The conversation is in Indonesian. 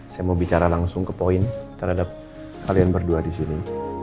saya mau bicara langsung ke poin terhadap kalian berdua di sini